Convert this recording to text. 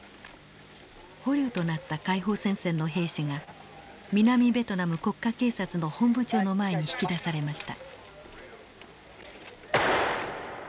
捕虜となった解放戦線の兵士が南ベトナム国家警察の本部長の前に引き出されました。